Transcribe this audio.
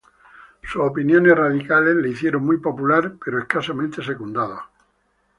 Sus opiniones radicales le hicieron muy popular, pero escasamente secundado.